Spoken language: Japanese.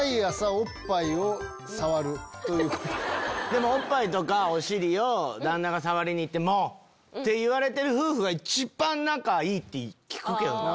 でもおっぱいとかお尻を旦那が触りに行ってもう！って言われてる夫婦が一番仲いいって聞くけどな。